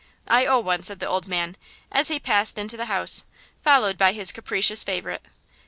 'I owe one,'" said the old man, as he passed into the house, followed by his capricious favorite.